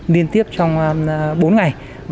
liên tiếp trong bốn ngày